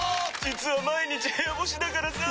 実は毎日部屋干しだからさ。